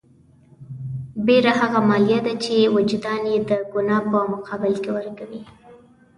بېره هغه مالیه ده چې وجدان یې د ګناه په مقابل کې ورکوي.